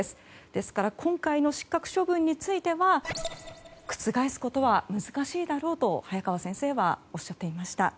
ですから今回の失格処分については覆すことは難しいだろうと早川先生はおっしゃっていました。